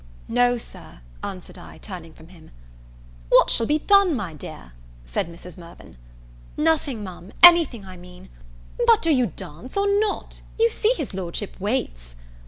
"No, Sir," answered I, turning from him. "What shall be done, my dear?" said Mrs. Mirvan. "Nothing, Ma'am; anything, I mean " "But do you dance, or not? you see his Lordship waits."